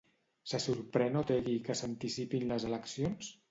Se sorprèn Otegi que s'anticipin les eleccions?